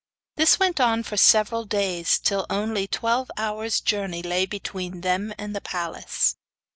This went on for several days, till only twelve hours journey lay between them and the palace.